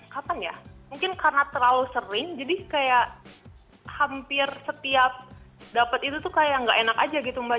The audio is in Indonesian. kapan ya mungkin karena terlalu sering jadi kayak hampir setiap dapet itu tuh kayak gak enak aja gitu mbak